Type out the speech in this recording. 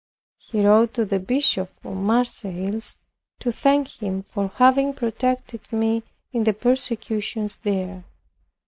He wrote to the Bishop of Marseilles to thank him for having protected me in the persecutions there.